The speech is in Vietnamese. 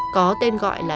có tên gọi là